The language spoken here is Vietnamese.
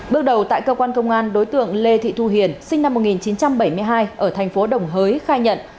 bước đầu tại cơ quan công an đối tượng lê thị thu hiền sinh năm một nghìn chín trăm bảy mươi hai ở thành phố đồng hới khai nhận